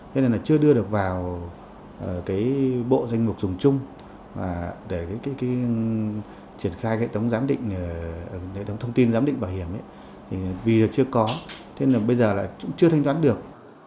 thế nên là chưa đưa được vào bộ danh mục dùng chung để triển khai hệ thống thông tin giám định bảo hiểm vì chưa có thế nên là bây giờ là chưa thanh toán được